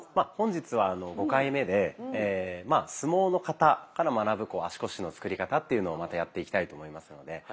本日は５回目で「相撲の型から学ぶ足腰のつくり方」っていうのをまたやっていきたいと思いますので。